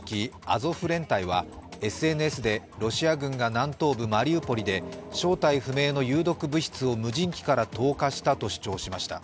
アゾフ連隊はＳＮＳでロシア軍が南東部マリウポリで正体不明の有毒物質を無人機から投下したと主張しました。